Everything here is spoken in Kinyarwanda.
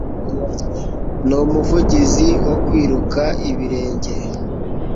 Ni umuvugizi wo kwiruka ibirenge